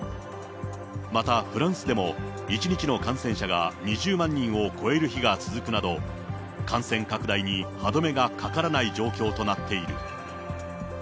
また、フランスでも１日の感染者が２０万人を超える日が続くなど、感染拡大に歯止めがかからない状況となっている。